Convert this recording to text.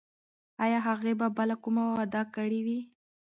ایا هغې به بله کومه وعده کړې وي؟